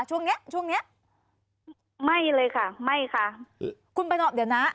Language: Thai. ช่วงเนี้ยช่วงเนี้ยไม่เลยค่ะไม่ค่ะคือคุณประนอบเดี๋ยวนะ